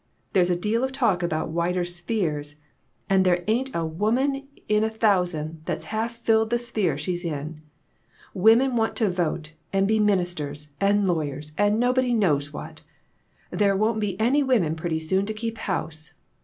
There's a deal of talk about wider spheres, an' there ain't a woman in a 64 PERTURBATIONS. thousand that's half filled the sphere she's in. Women want to vote and be ministers and law yers, and nobody knows what. There won't be any women pretty soon to keep house.